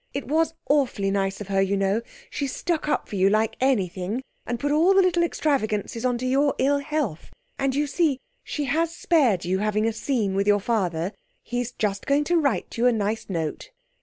It was awfully nice of her, you know she stuck up for you like anything, and put all the little extravagances on to your ill health; and, you see, she has spared you having a scene with your father he is just going to write you a nice note.'